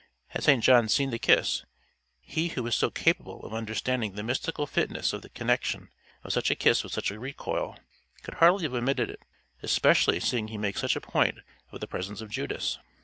Had St John seen the kiss, he who was so capable of understanding the mystical fitness of the connection of such a kiss with such a recoil, could hardly have omitted it, especially seeing he makes such a point of the presence of Judas.